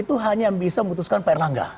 itu hanya bisa memutuskan pak erlangga